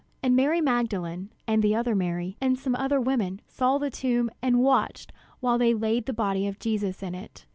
And Mary Magdalene, and the other Mary, and some other women, saw the tomb, and watched while they laid the body of Jesus in it.